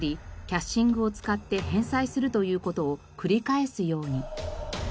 キャッシングを使って返済するという事を繰り返すように。